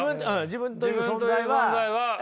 自分という存在は偶然。